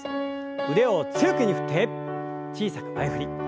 腕を強く振って小さく前振り。